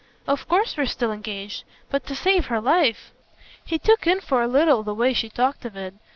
"Of course we're still engaged. But to save her life !" He took in for a little the way she talked of it.